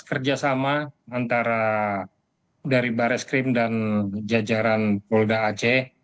kerjasama antara dari bareskrim dan jajaran polda aceh